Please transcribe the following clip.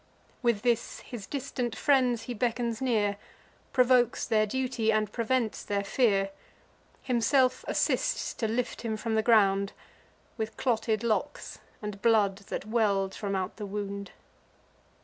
'" With this, his distant friends he beckons near, Provokes their duty, and prevents their fear: Himself assists to lift him from the ground, With clotted locks, and blood that well'd from out the wound.